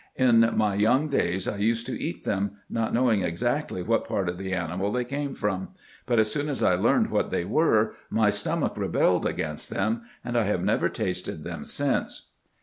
In my young days I used to eat them, not knowing exactly what part of the animal they came from ; but as soon as I learned what they were my stomach rebelled against them, and I have never tasted them since."